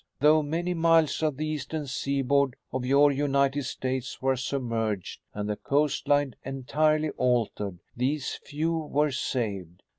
Though many miles of the eastern seaboard of your United States were submerged and the coastline entirely altered, these few were saved.